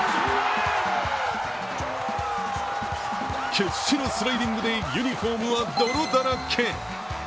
決死のスライディングでユニフォームは泥だらけ。